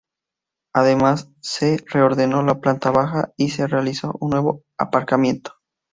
Además, se reordenó la planta baja y se realizó un nuevo aparcamiento.